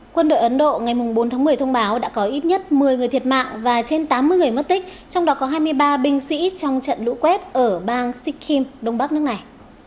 quân đội ấn độ ngày bốn tháng một mươi thông báo đã có ít nhất một mươi người thiệt mạng và trên tám mươi người mất tích trong đó có hai mươi ba binh sĩ trong trận lũ quét ở bang sikkim đông bắc nước này